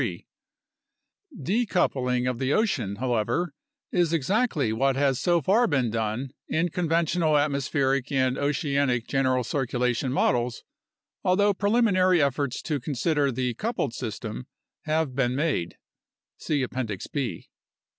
Decoupling of the ocean, however, is exactly what has so far been done in conventional atmospheric and 30 UNDERSTANDING CLIMATIC CHANGE oceanic general circulation models, although preliminary efforts to consider the coupled system have been made (see Appendix B).